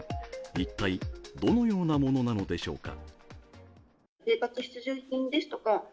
一体どのようなものなのでしょうか？